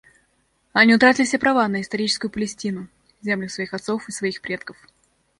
Они утратили все права на историческую Палестину — землю своих отцов и своих предков.